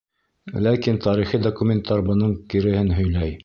Ләкин тарихи документтар бының киреһен һөйләй.